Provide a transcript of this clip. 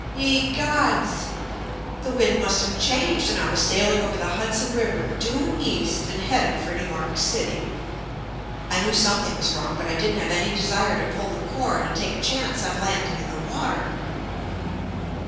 Ye, Gods! The wind must have changed and I was sailing over the Hudson River, due East and headed for New York JUST ME City. I knew something was wrong but I didn't have any desire to pull the cord and take a chance on landing in the water.